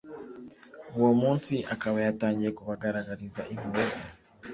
uwo munsi akaba yatangiye kubagaragariza impuhwe ze